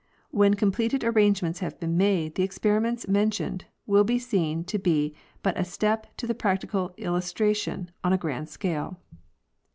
When completed arrangements have been made, the experiments mentioned will be seen to be but a step to the practical illustration on a grand scale.